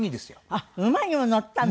あっ馬にも乗ったの？